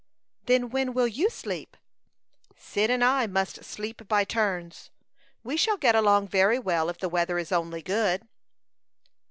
"Then when will you sleep?" "Cyd and I must sleep by turns. We shall get along very well if the weather is only good."